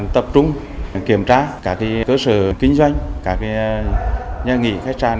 tập trung kiểm tra các cơ sở kinh doanh các nhà nghỉ khách sạn